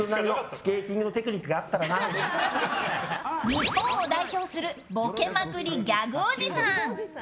日本を代表するボケまくりギャグおじさん。